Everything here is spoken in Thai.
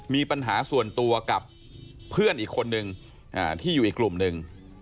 มีปัญหาส่วนตัวกับเพื่อนอีกคนนึงที่อยู่อีกกลุ่มหนึ่ง